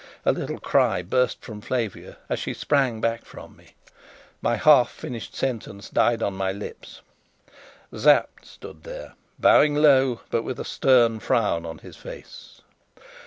A little cry burst from Flavia, as she sprang back from me. My half finished sentence died on my lips. Sapt stood there, bowing low, but with a stern frown on his face.